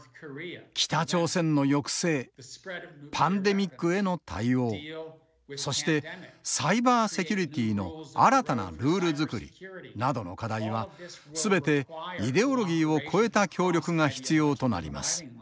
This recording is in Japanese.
北朝鮮の抑制パンデミックへの対応そしてサイバーセキュリティーの新たなルール作りなどの課題は全てイデオロギーを超えた協力が必要となります。